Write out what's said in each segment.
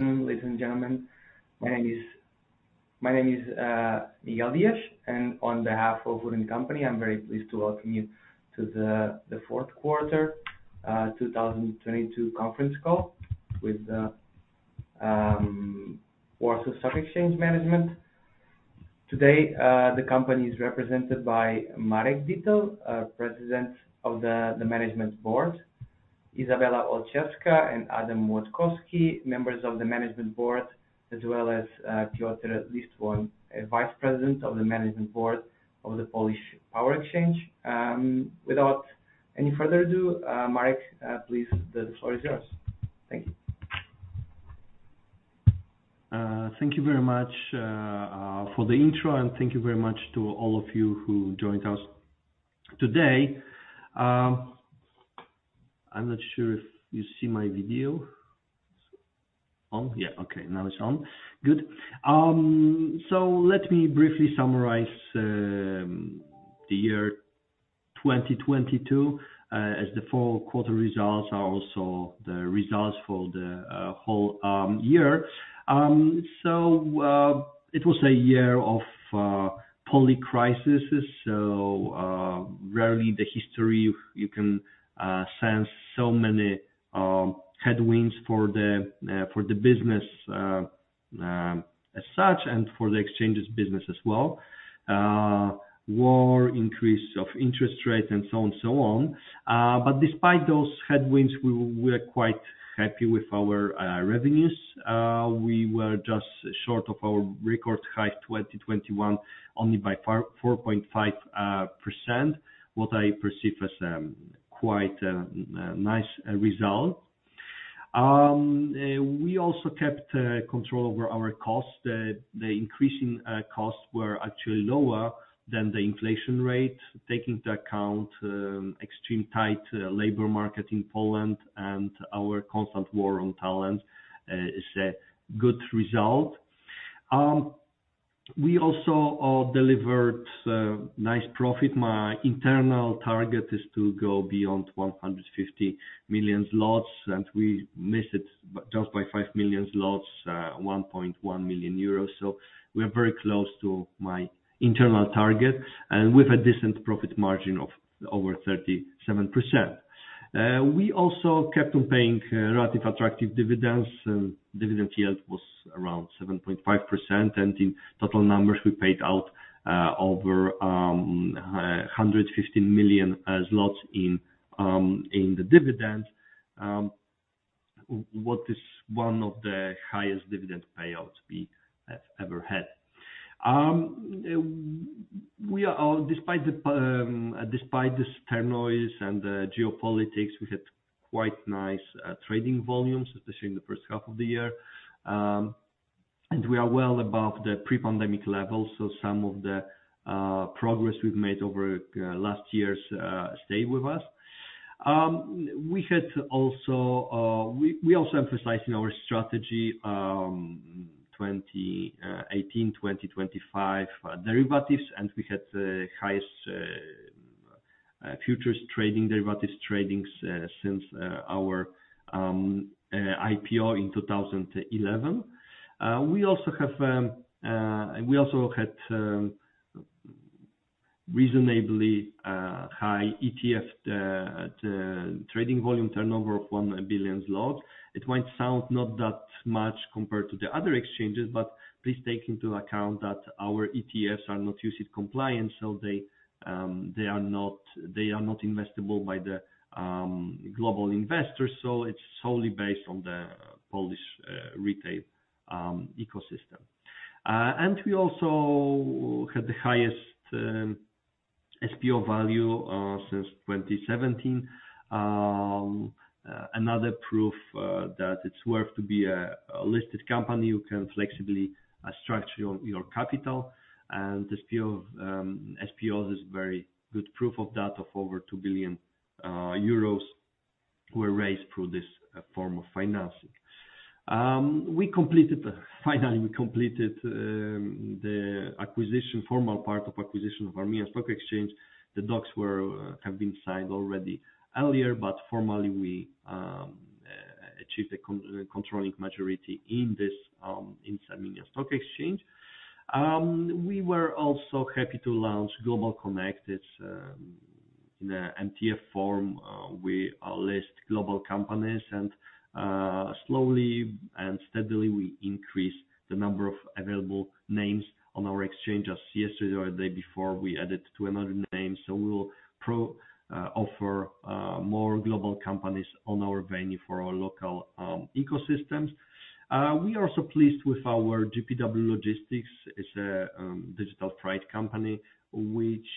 Ladies and gentlemen, my name is Miguel Diaz. On behalf of WOOD & Company, I'm very pleased to welcome you to the fourth quarter 2022 conference call with the Warsaw Stock Exchange management. Today, the company is represented by Marek Dietl, President of the Management Board, Izabela Olszewska and Adam Łatkowski, members of the Management Board, as well as Piotr Listwoń, Vice President of the Management Board of the Polish Power Exchange. Without any further ado, Marek, please, the floor is yours. Thank you. Thank you very much for the intro, and thank you very much to all of you who joined us today. I'm not sure if you see my video. It's on? Yeah. Okay. Now it's on. Good. Let me briefly summarize the year 2022 as the full quarter results are also the results for the whole year. It was a year of polycrisis. Rarely the history you can sense so many headwinds for the business as such and for the exchanges business as well. War, increase of interest rates, and so on and so on. Despite those headwinds, we were quite happy with our revenues. We were just short of our record high 2021 only by 4-4.5%, what I perceive as quite a nice result. We also kept control over our costs. The increasing costs were actually lower than the inflation rate, taking into account extreme tight labor market in Poland and our constant war on talent, is a good result. We also delivered nice profit. My internal target is to go beyond 150 million zlotys, we missed it just by 5 million zlotys, 1.1 million euros. We are very close to my internal target and with a decent profit margin of over 37%. We also kept on paying relative attractive dividends. Dividend yield was around 7.5%, and in total numbers, we paid out over 115 million zlotys in the dividend, what is one of the highest dividend payouts we have ever had. Despite this turn noise and the geopolitics, we had quite nice trading volumes, especially in the first half of the year. We are well above the pre-pandemic levels, some of the progress we've made over last years stay with us. We also emphasized in our strategy 2018-2025 derivatives, we had the highest futures trading, derivatives tradings since our IPO in 2011. We also had reasonably high ETF trading volume turnover of 1 billion zlotys. It might sound not that much compared to the other exchanges, please take into account that our ETFs are not UCITS compliant, so they are not investable by the global investors, so it's solely based on the Polish retail ecosystem. We also had the highest SPO value since 2017. Another proof that it's worth to be a listed company. You can flexibly structure your capital. The SPO, SPOs is very good proof of that, of over 2 billion euros were raised through this form of financing. Finally, we completed the acquisition, formal part of acquisition of Armenia Securities Exchange. The docs were have been signed already earlier. Formally, we achieved a controlling majority in this in Armenia Securities Exchange. We were also happy to launch GlobalConnect in a MTF form, we list global companies and slowly and steadily we increase the number of available names on our exchange. Yesterday or the day before, we added 2 another names, so we will offer more global companies on our venue for our local ecosystems. We are also pleased with our GPW Logistics. It's a digital trade company, which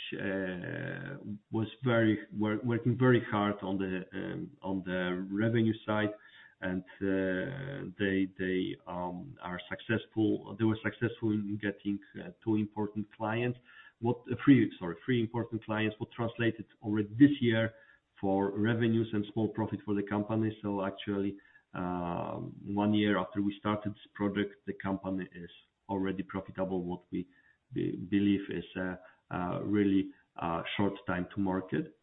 was working very hard on the revenue side, and they were successful in getting 2 important clients. What... Three, sorry, three important clients were translated already this year for revenues and small profit for the company. Actually, one year after we started this project, the company is already profitable, what we believe is a really short time to market.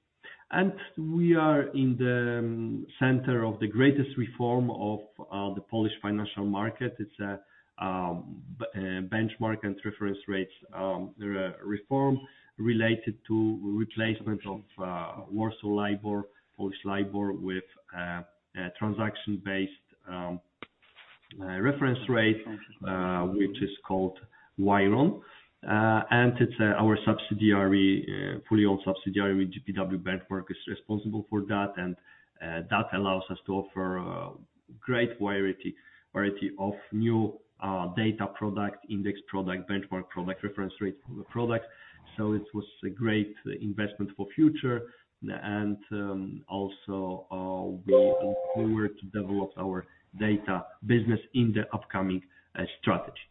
We are in the center of the greatest reform of the Polish financial market. It's a benchmark and reference rates reform related to replacement of Warsaw LIBOR, Polish LIBOR, with a transaction-based reference rate, which is called WIRON. It's our subsidiary, fully owned subsidiary, GPW Benchmark, is responsible for that. That allows us to offer a great variety of new data product, index product, benchmark product, reference rate product. It was a great investment for future and also we were to develop our data business in the upcoming strategy.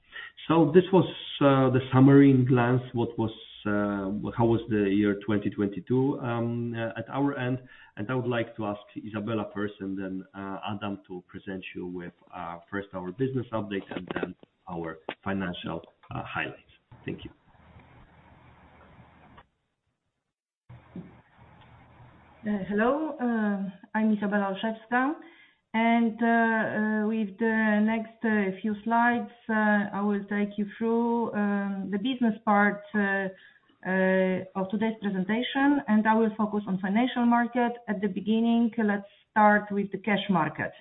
This was the summary glance, what was how was the year 2022 at our end. I would like to ask Izabela first and then Adam to present you with first our business update and then our financial highlights. Thank you. Hello, I'm Izabela Olszewska. With the next few slides, I will take you through the business part of today's presentation, and I will focus on financial market. At the beginning, let's start with the cash market.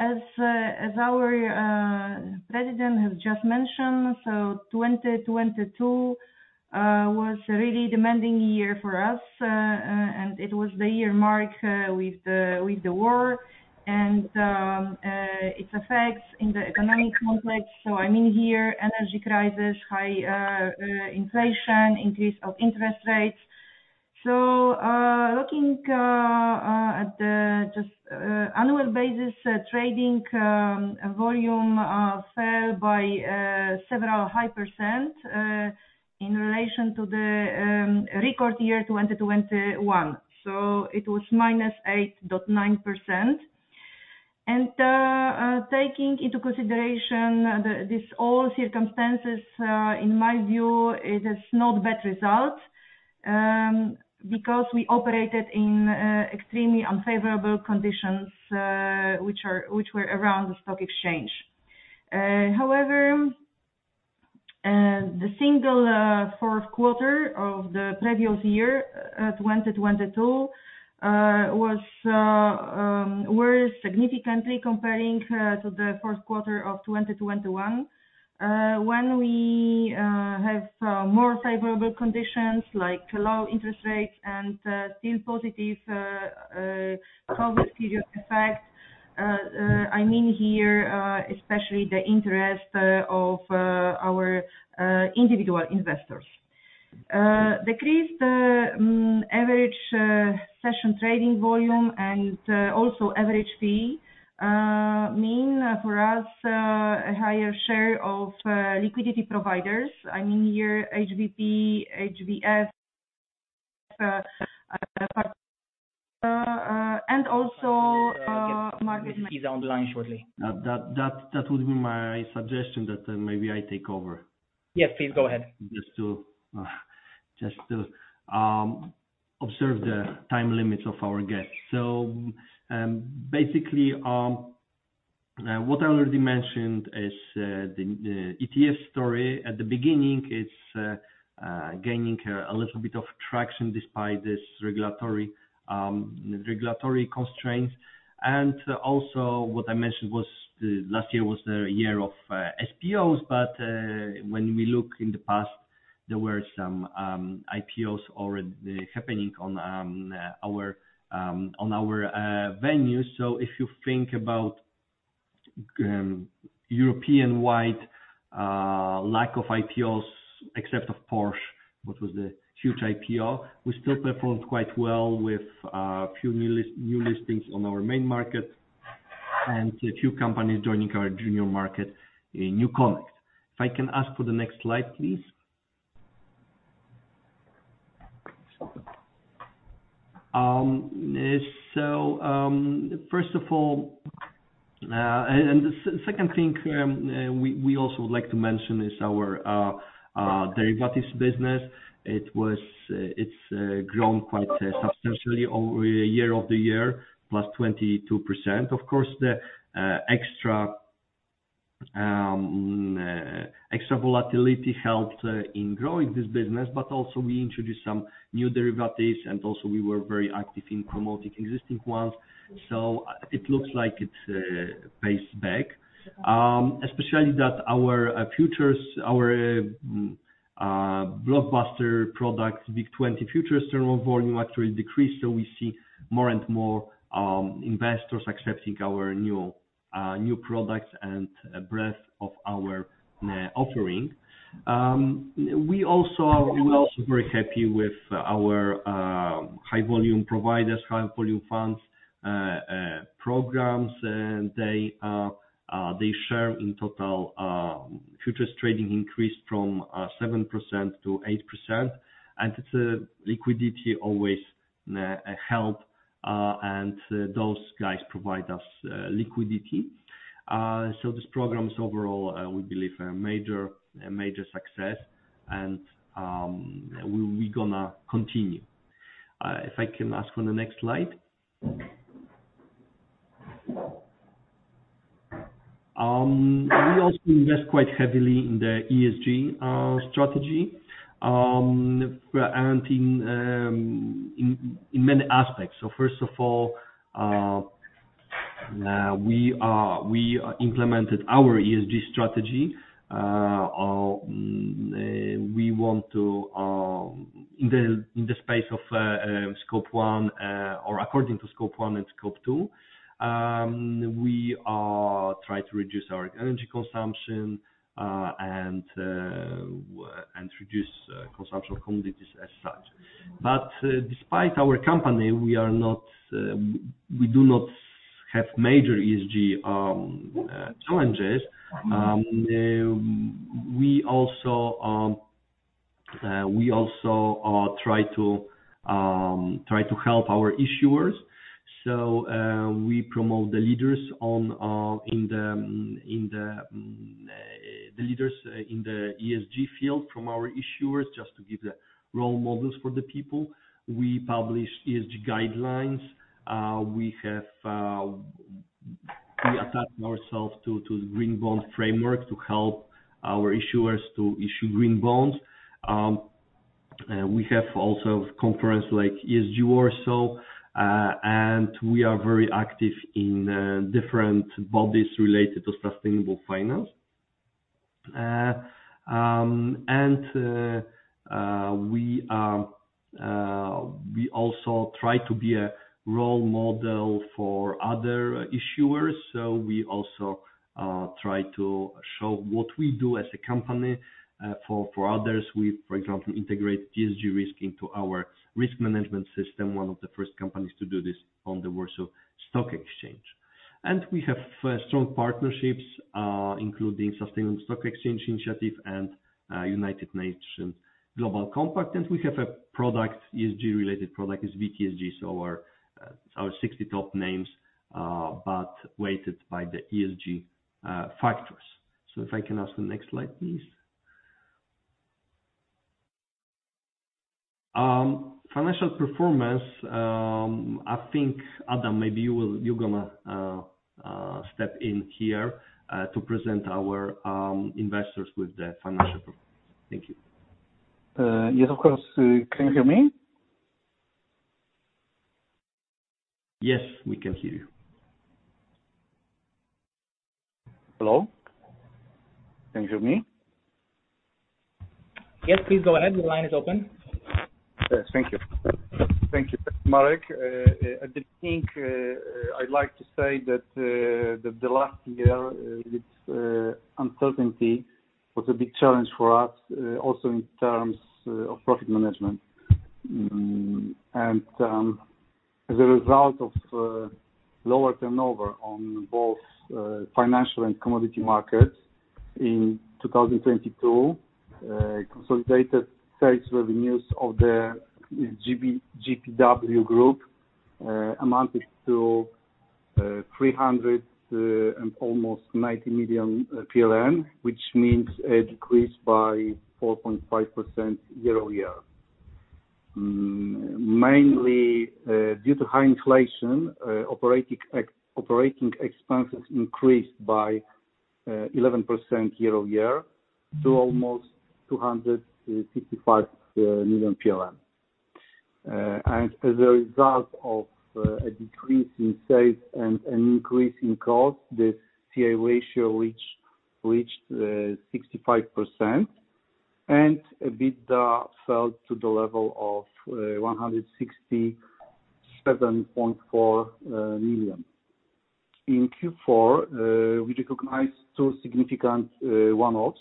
As our president has just mentioned, 2022 was a really demanding year for us. It was the year marked with the war and its effects in the economic complex. I mean, here, energy crisis, high inflation, increase of interest rates. Looking at the just annual basis trading volume fell by several high percent in relation to the record year, 2021. It was minus 8.9%. Taking into consideration these all circumstances, in my view, it is not bad result because we operated in extremely unfavorable conditions which were around the stock exchange. However, the single fourth quarter of the previous year, 2022, was worse significantly comparing to the fourth quarter of 2021, when we have more favorable conditions like low interest rates and still positive COVID period effects. I mean here, especially the interest of our individual investors. Decrease the average session trading volume and also average fee mean for us a higher share of liquidity providers. I mean, here, HBP, HVF, and also market-. Iza online shortly. That would be my suggestion that maybe I take over. Yes, please go ahead. Just to observe the time limits of our guests. Basically, what I already mentioned is the ETF story. At the beginning, it's gaining a little bit of traction despite this regulatory constraints. Also what I mentioned was last year was the year of SPOs, when we look in the past, there were some IPOs already happening on our venue. If you think about European-wide lack of IPOs except of Porsche, which was the huge IPO, we still performed quite well with few new listings on our main market and a few companies joining our junior market, NewConnect. If I can ask for the next slide, please. First of all, we also would like to mention is our derivatives business. It was, it's grown quite substantially over year of the year, plus 22%. Of course, the extra extra volatility helped in growing this business, but also we introduced some new derivatives, and also we were very active in promoting existing ones. It looks like it pays back. Especially that our futures, our blockbuster product, WIG20 futures turnover volume actually decreased, so we see more and more investors accepting our new new products and breadth of our offering. We're also very happy with our High Volume Provider, High Volume Funds programs. They share in total, futures trading increased from 7% to 8%. Its liquidity always, and those guys provide us liquidity. This program is overall, we believe a major, a major success and we gonna continue. If I can ask for the next slide. We also invest quite heavily in the ESG strategy and in many aspects. First of all, we are, we implemented our ESG strategy. We want to, in the space of Scope 1, or according to Scope 1 and Scope 2, we are trying to reduce our energy consumption and reduce consumption of commodities as such. Despite our company, we do not have major ESG challenges. We also try to help our issuers. We promote the leaders on in the leaders in the ESG field from our issuers, just to give the role models for the people. We publish ESG guidelines. We have, we attach ourselves to the Green Bond Framework to help our issuers to issue green bonds. We have also conference like ESG Warsaw, and we are very active in different bodies related to sustainable finance. We also try to be a role model for other issuers. We also try to show what we do as a company for others. We, for example, integrate ESG risk into our risk management system, one of the first companies to do this on the Warsaw Stock Exchange. We have strong partnerships, including Sustainable Stock Exchanges Initiative and United Nations Global Compact. We have a product, ESG related product, is WIG-ESG. Our 60 top names, but weighted by the ESG factors. If I can ask the next slide, please. Financial performance. I think, Adam, maybe you're gonna step in here to present our investors with the financial performance. Thank you. Yes, of course. Can you hear me? Yes, we can hear you. Hello? Can you hear me? Yes, please go ahead. The line is open. Yes, thank you. Thank you, Marek. I'd like to say that the last year with uncertainty was a big challenge for us, also in terms of profit management. As a result of lower turnover on both financial and commodity markets in 2022, consolidated sales revenues of the GPW Group amounted to almost 390 million PLN, which means a decrease by 4.5% year-over-year. Mainly due to high inflation, operating expenses increased by 11% year-over-year to almost 265 million. As a result of a decrease in sales and an increase in costs, the CA ratio reached 65%, and EBITDA fell to the level of 167.4 million. In Q4, we recognized two significant one-offs.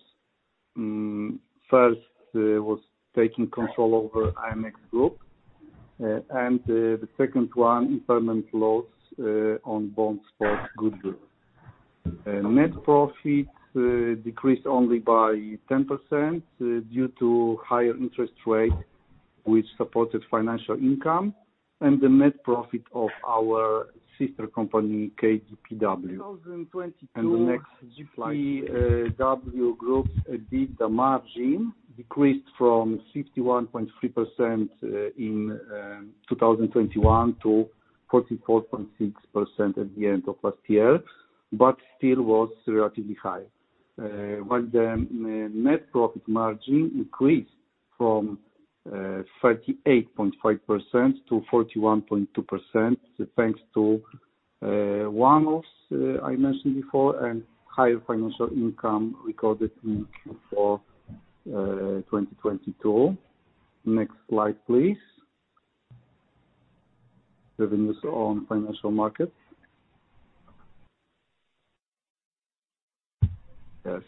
First was taking control over AMX Group, and the second one, impairment loss on bonds for goodwill. Net profit decreased only by 10% due to higher interest rate, which supported financial income and the net profit of our sister company, KDPW. The next slide, please. 2022 GPW Group's EBITDA margin decreased from 61.3% in 2021 to 44.6% at the end of last year, but still was relatively high. While the net profit margin increased from 38.5% to 41.2%, thanks to one-offs I mentioned before, and higher financial income recorded in Q4 2022. Next slide, please. Revenues on financial markets.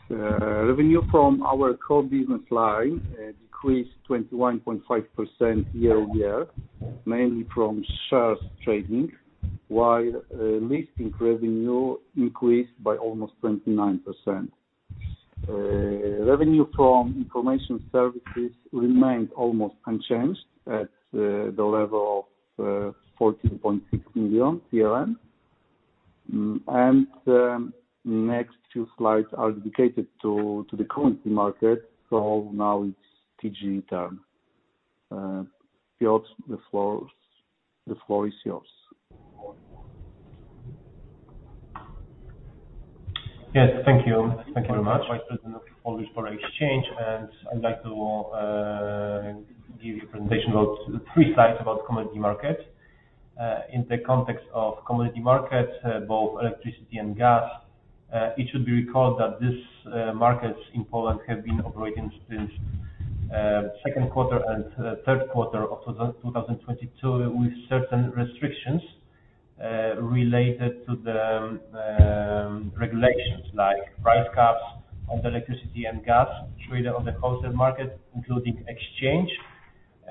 Revenue from our core business line decreased 21.5% year-over-year, mainly from shares trading, while listing revenue increased by almost 29%. Revenue from information services remained almost unchanged at the level of 14.6 million. Next two slides are dedicated to the currency market. Now it's TGE turn. Piotr, the floor is yours. Yes, thank you. Thank you very much. President of Polish Power Exchange. I'd like to give you a presentation about 3 slides about commodity market. In the context of commodity market, both electricity and gas, it should be recalled that these markets in Poland have been operating since second quarter and third quarter of 2022 with certain restrictions related to the regulations like price caps of electricity and gas traded on the wholesale market, including exchange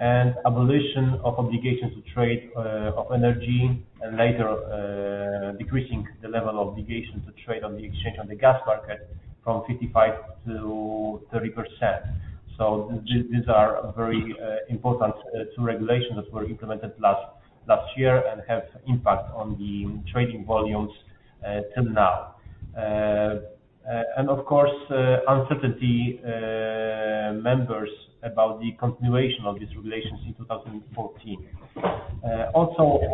and abolition of obligations to trade of energy and later decreasing the level of obligation to trade on the exchange on the gas market from 55% to 30%. These are very important 2 regulations that were implemented last year and have impact on the trading volumes till now. Uncertainty members about the continuation of these regulations in 2014.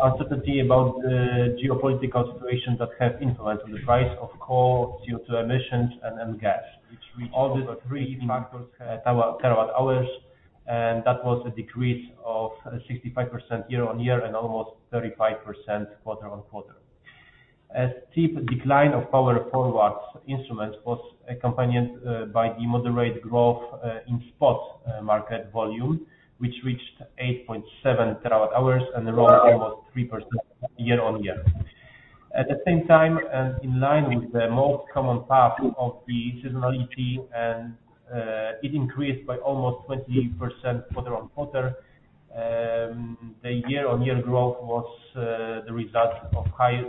Uncertainty about the geopolitical situation that have influenced the price of coal, CO2 emissions and gas. All these three factors terawatt-hours, that was a decrease of 65% year-on-year and almost 35% quarter-on-quarter. A steep decline of power forwards instrument was accompanied by the moderate growth in spot market volume, which reached 8.7 TWh and rose almost 3% year-on-year. At the same time, in line with the most common path of the seasonality, it increased by almost 20% quarter-on-quarter. The year-on-year growth was the result of high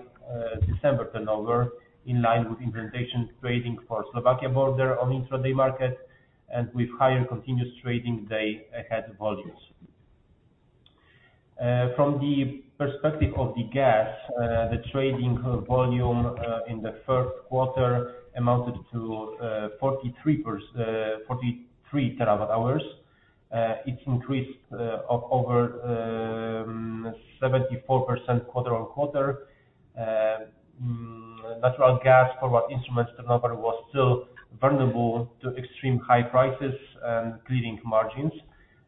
December turnover in line with implementation trading for Slovakia border on intraday market and with higher continuous trading day-ahead volumes. From the perspective of the gas, the trading volume in the first quarter amounted to 43 terawatt-hours. It increased over 74% quarter-on-quarter. Natural gas for what instruments turnover was still vulnerable to extreme high prices and clearing margins.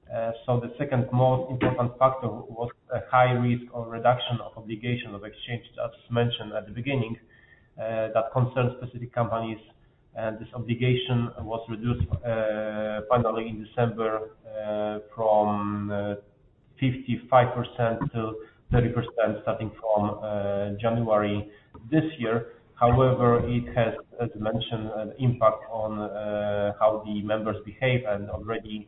The second most important factor was a high risk of reduction of obligation of exchange, as mentioned at the beginning, that concerns specific companies, and this obligation was reduced finally in December from 55% to 30% starting from January this year. However, it has, as mentioned, an impact on how the members behave and already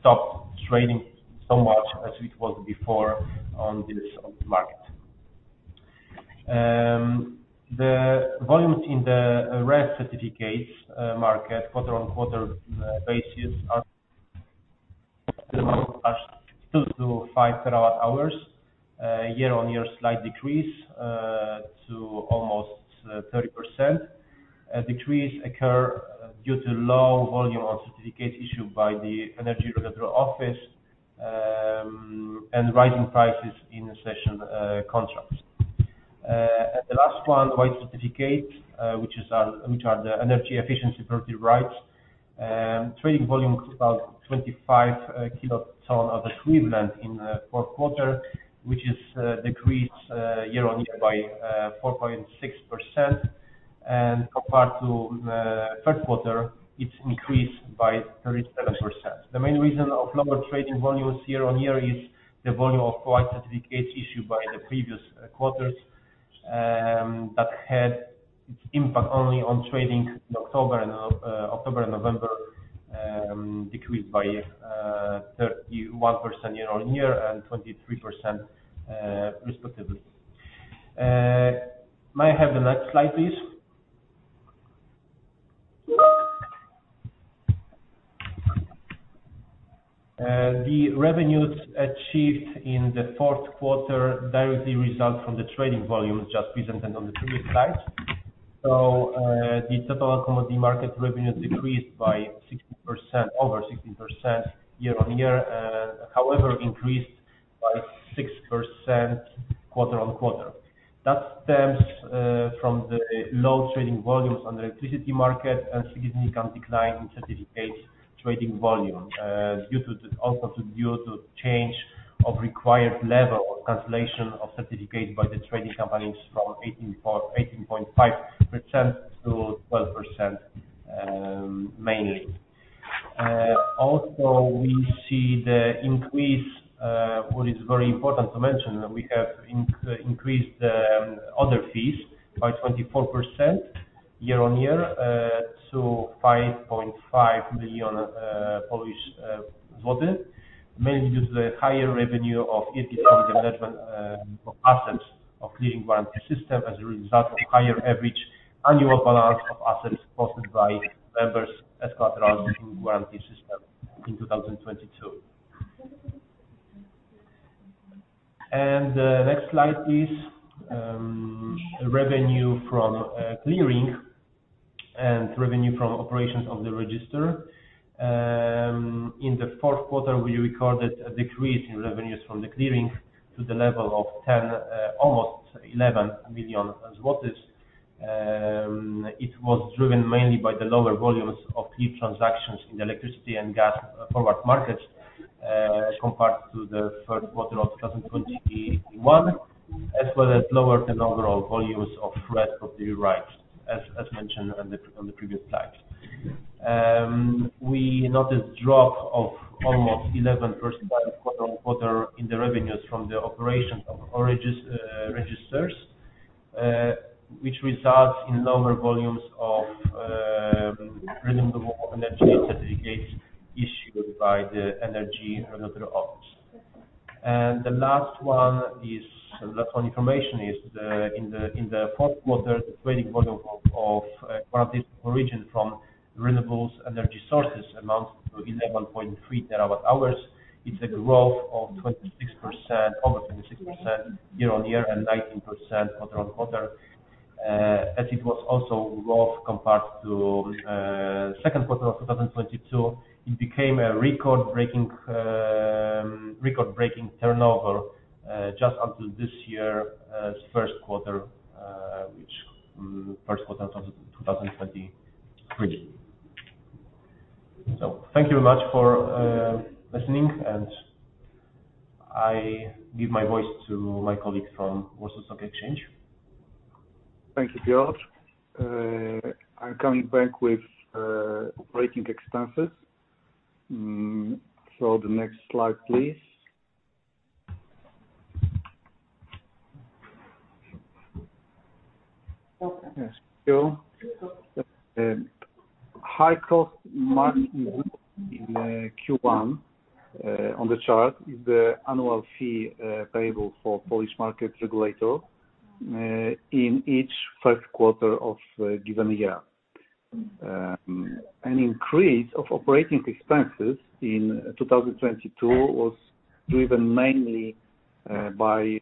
stopped trading so much as it was before on this, on this market. The volumes in the RES certificates market quarter-on-quarter basis are still to 5 terawatt-hours. Year-on-year slight decrease to almost 30%. A decrease occur due to low volume of certificates issued by the Energy Regulatory Office and rising prices in session contracts. The last one, white certificate, which are the energy efficiency property rights. Trading volumes about 25 kilotonnes of CO2 equivalent in fourth quarter, which is decreased year-on-year by 4.6%. Compared to third quarter, it's increased by 37%. The main reason of lower trading volumes year-on-year is the volume of white certificates issued by the previous quarters that had its impact only on trading in October and November, decreased by 31% year-on-year and 23% respectively. May I have the next slide, please? The revenues achieved in the fourth quarter directly result from the trading volumes just presented on the previous slide. The total commodity market revenues decreased by over 16% year-on-year. However, increased by 6% quarter-on-quarter. That stems from the low trading volumes on the electricity market and significant decline in certificates trading volume. Also due to change of required level of translation of certificates by the trading companies from 18.5% to 12%, mainly. Also we see the increase, what is very important to mention, we have increased the other fees by 24% year-on-year, to 5.5 million Polish zlotys, mainly due to the higher revenue of interest on the management of assets of clearing guarantee system as a result of higher average annual balance of assets posted by members as collateral to guarantee system in 2022. The next slide is revenue from clearing and revenue from operations of the register. In the fourth quarter, we recorded a decrease in revenues from the clearing to the level of 10, almost 11 million PLN. It was driven mainly by the lower volumes of clear transactions in the electricity and gas forward markets compared to the 1st quarter of 2021, as well as lower than overall volumes of rest of the rights as mentioned on the previous slide. We noticed drop of almost 11% quarter-on-quarter in the revenues from the operations of our registers, which results in lower volumes of renewable energy certificates issued by the Energy Regulatory Office. The last one information is the in the 4th quarter, the trading volume of certificates of origin from renewables energy sources amounts to 11.3 terawatt-hours. It's a growth of 26% over 26% year-on-year and 19% quarter-on-quarter. As it was also growth compared to second quarter of 2022, it became a record-breaking turnover just until this year, first quarter of 2023. Thank you very much for listening, and I give my voice to my colleague from Warsaw Stock Exchange. Thank you, Piotr. I'm coming back with operating expenses. The next slide, please. Yes, go. High cost margin in Q1, on the chart is the annual fee, payable for Polish market regulator, in each first quarter of a given year. An increase of operating expenses in 2022 was driven mainly by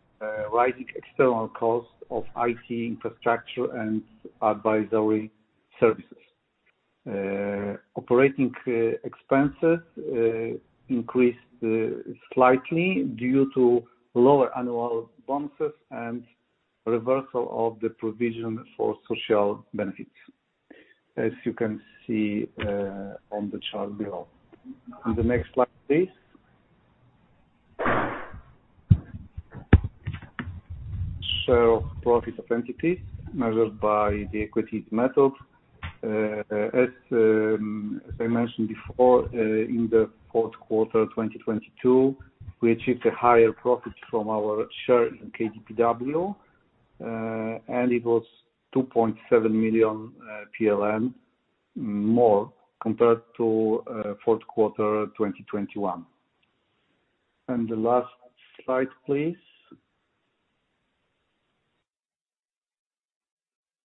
rising external costs of IT infrastructure and advisory services. Operating expenses increased slightly due to lower annual bonuses and reversal of the provision for social benefits, as you can see on the chart below. The next slide, please. Profit of entities measured by the equity method. As I mentioned before, in the fourth quarter of 2022, we achieved a higher profit from our share in KDPW, and it was 2.7 million more compared to fourth quarter of 2021. The last slide, please.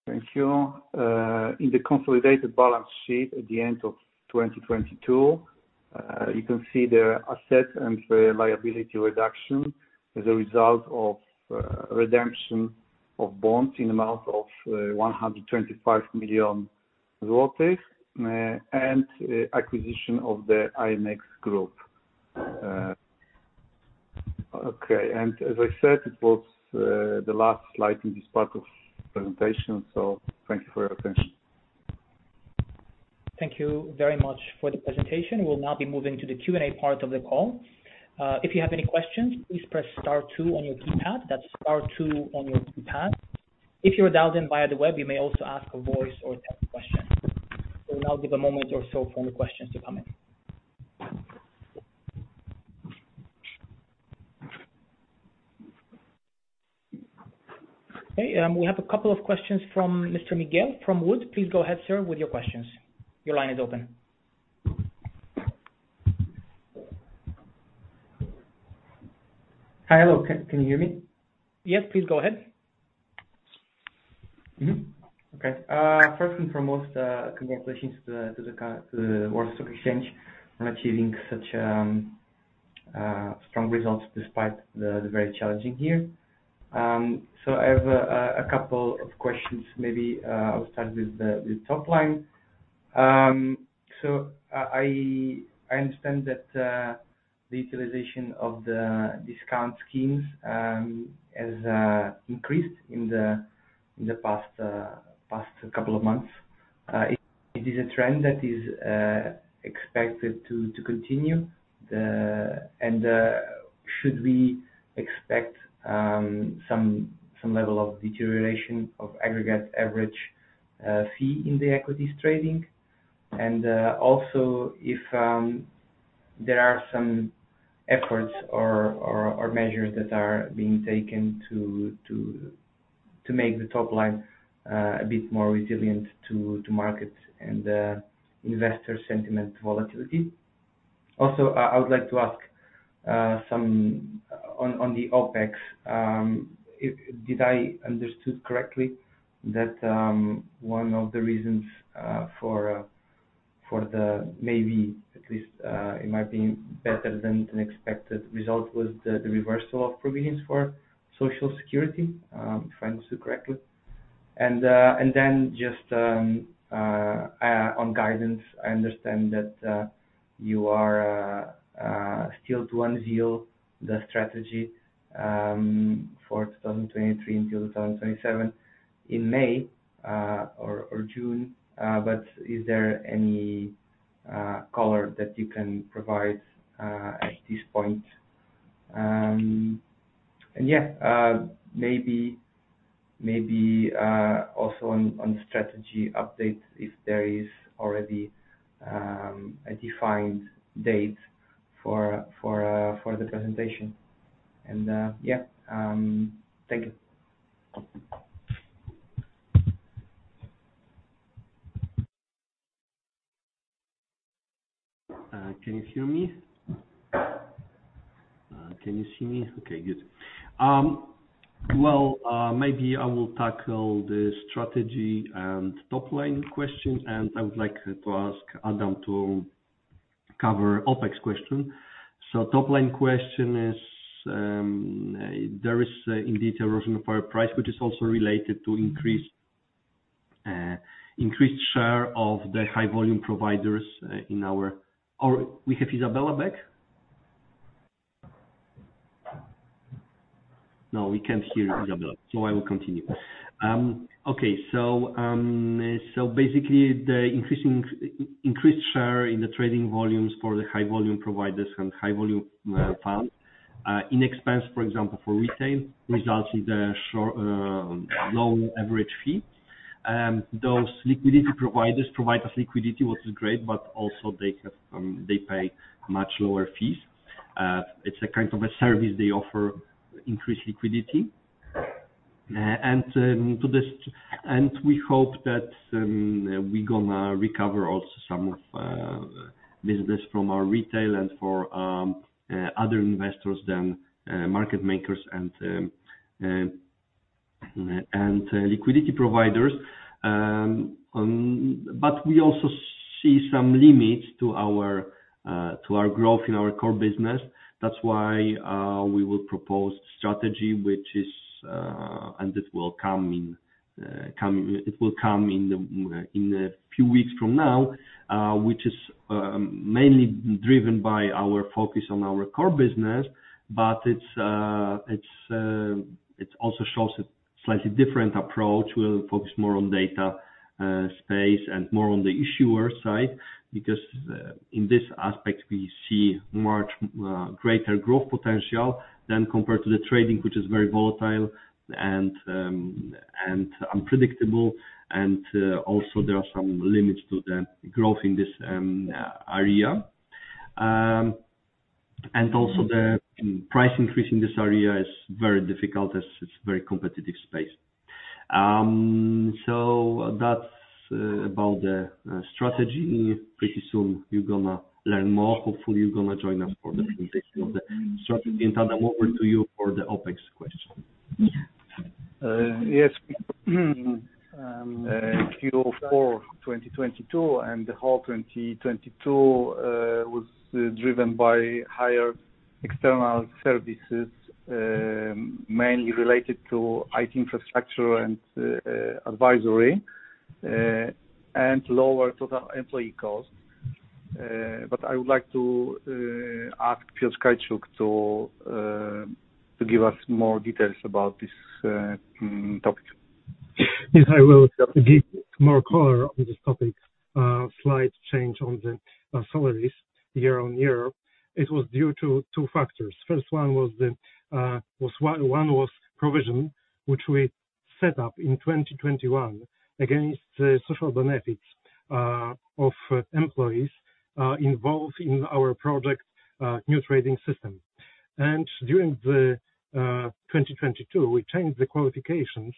Thank you. In the consolidated balance sheet at the end of 2022, you can see there are assets and liability reduction as a result of redemption of bonds in amount of 125 million, and acquisition of the AMX Group. As I said, it was the last slide in this part of presentation, so thank you for your attention. Thank you very much for the presentation. We'll now be moving to the Q&A part of the call. If you have any questions, please press star 2 on your keypad. That's star 2 on your keypad. If you're dialed in via the web, you may also ask a voice or text question. We'll now give a moment or so for any questions to come in. Okay, we have a couple of questions from Mr. Miguel from WOOD. Please go ahead, sir, with your questions. Your line is open. Hi. Hello. Can you hear me? Yes. Please go ahead. Okay. First and foremost, congratulations to the Warsaw Stock Exchange on achieving such strong results despite the very challenging year. I have a couple of questions. Maybe I'll start with the top line. I understand that the utilization of the discount schemes has increased in the past couple of months. Is this a trend that is expected to continue? Should we expect some level of deterioration of aggregate average fee in the equities trading? Also if there are some efforts or measures that are being taken to make the top line a bit more resilient to market and investor sentiment volatility. I would like to ask some on the OpEx, did I understood correctly that one of the reasons for the maybe at least it might be better than an expected result was the reversal of provisions for Social Security, if I understood correctly? Just on guidance, I understand that you are still to unveil the strategy for 2023 until 2027 in May or June. Is there any color that you can provide at this point? Yeah, maybe also on strategy updates, if there is already a defined date for the presentation. Yeah, thank you. Can you hear me? Can you see me? Okay, good. Well, maybe I will tackle the strategy and top-line question, and I would like to ask Adam to cover OpEx question. Top-line question is, there is indeed erosion of our price, which is also related to increased share of the High Volume Provider in our... We have Izabela back? No, we can't hear Izabela, so I will continue. Okay. Basically the increased share in the trading volumes for the High Volume Provider and High Volume Funds in expense, for example for retail, results in the short, low average fee. Those liquidity providers provide us liquidity, which is great, but also they pay much lower fees. It's a kind of a service they offer increased liquidity. We hope that we are going to recover also some of business from our retail and for other investors than market makers and liquidity providers. But we also see some limits to our growth in our core business. That is why we will propose strategy which is, and it will come in a few weeks from now, which is mainly driven by our focus on our core business. But it is, it is, it also shows a slightly different approach. We will focus more on data space and more on the issuer side, because in this aspect we see much greater growth potential than compared to the trading, which is very volatile and unpredictable. Also there are some limits to the growth in this area. Also the price increase in this area is very difficult as it's very competitive space. That's about the strategy. Pretty soon you're gonna learn more. Hopefully, you're gonna join us for the presentation of the strategy. Adam, over to you for the OpEx question. Yes. Q4 2022 and the whole 2022 was driven by higher external services, mainly related to IT infrastructure and advisory, and lower total employee cost. I would like to ask Piotr Kajczuk to give us more details about this topic. Yes, I will give more color on this topic. Slight change on the salaries year-over-year. It was due to two factors. First one was the provision, which we set up in 2021 against the social benefits of employees involved in our project, new trading system. During the 2022, we changed the qualifications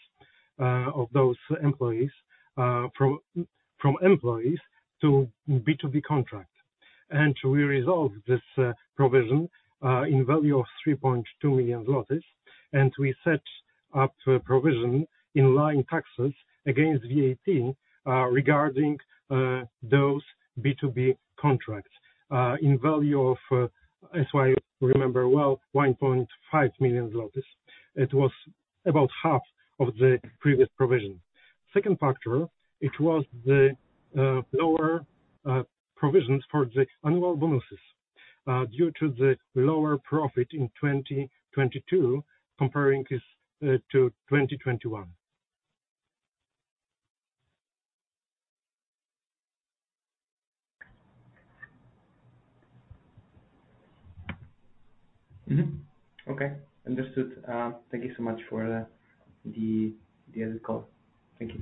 of those employees from employees to B2B contract. We resolved this provision in value of 3.2 million zlotys. We set up a provision in line taxes against VAT regarding those B2B contracts in value of, as I remember well, 1.5 million. It was about half of the previous provision. Second factor, it was the lower provisions for the annual bonuses due to the lower profit in 2022 comparing this to 2021. Mm-hmm. Okay. Understood. Thank you so much for the added call. Thank you.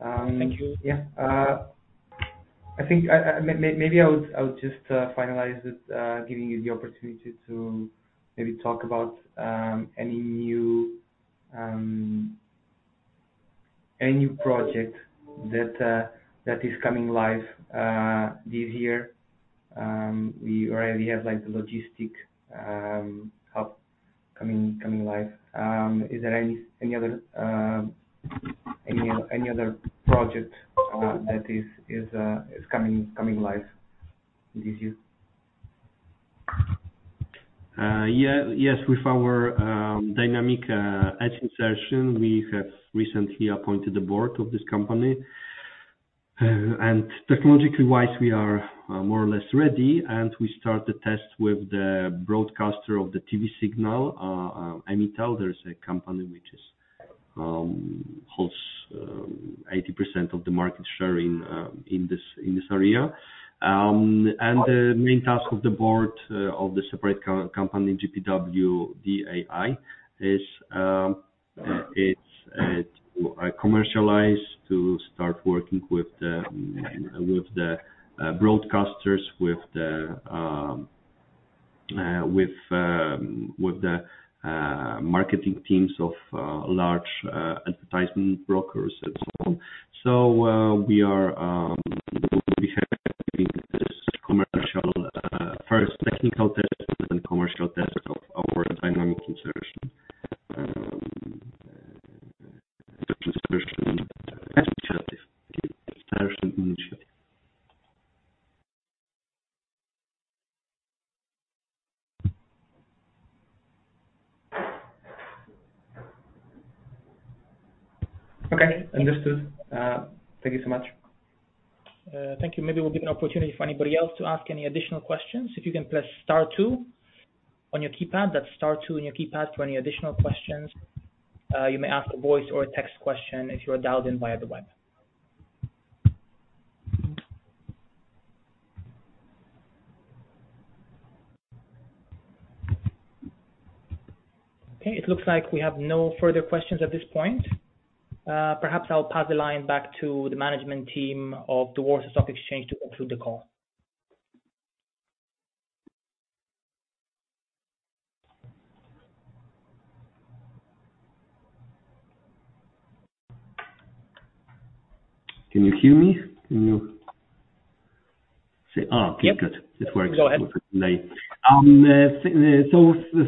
Thank you. Yeah. I think maybe I would just finalize it, giving you the opportunity to maybe talk about any new project that is coming live this year. We already have, like, the logistic hub coming live. Is there any other project that is coming live this year? With our dynamic edge insertion, we have recently appointed the board of this company. Technologically wise, we are more or less ready, and we start the test with the broadcaster of the TV signal. Emitel, there's a company which is hosts 80% of the market share in this area. The main task of the board of the separate co-company, GPWDAI, is to commercialize, to start working with the broadcasters, with the marketing teams of large advertisement brokers and so on. We will be having this commercial, first technical test and then commercial test of our dynamic insertion. Insertion initially. Okay. Understood. Thank you so much. Thank you. Maybe we'll give an opportunity for anybody else to ask any additional questions. If you can press star two on your keypad. That's star two on your keypad for any additional questions. You may ask a voice or a text question if you are dialed in via the web. It looks like we have no further questions at this point. Perhaps I'll pass the line back to the management team of the Warsaw Stock Exchange to conclude the call. Can you hear me? Can you... Say... Okay. Good. Yep. It works. Go ahead.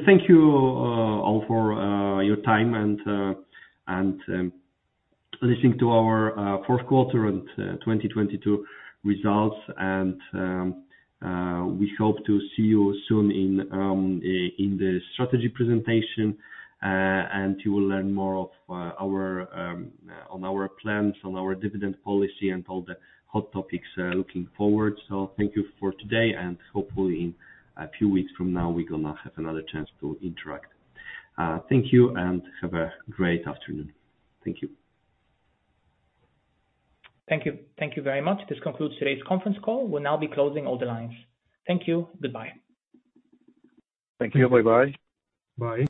Thank you all for your time and listening to our fourth quarter and 2022 results. We hope to see you soon in the strategy presentation, and you will learn more of our on our plans, on our dividend policy and all the hot topics looking forward. Thank you for today, and hopefully in a few weeks from now, we're gonna have another chance to interact. Thank you, and have a great afternoon. Thank you. Thank you. Thank you very much. This concludes today's conference call. We'll now be closing all the lines. Thank you. Goodbye. Thank you. Bye-bye. Bye.